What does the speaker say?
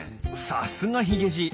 さすがヒゲじい。